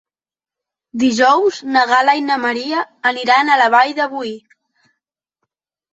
Dijous na Gal·la i na Maria aniran a la Vall de Boí.